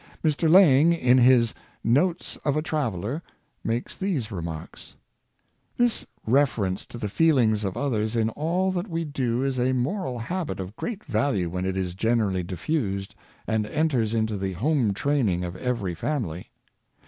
Mr. Laing, in his " Notes of a Traveler," makes these remarks, " This reference to the feelings of others in all that we do is a moral habit of great value when it is generally diffused, and enters into the home training of every family.